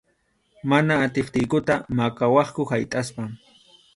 Mana atiptiykuta maqawaqku haytʼaspa.